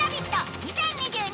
２０２２」